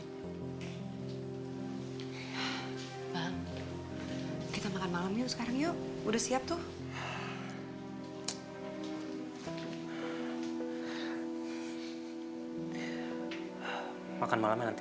bang kita makan malam yuk sekarang yuk